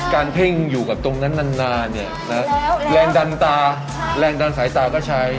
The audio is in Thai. การเพ่งอยู่กับตรงนั้นนานนานเนี้ยแล้วแล้วแรงดันตาใช่แรงดันสายตาก็ใช้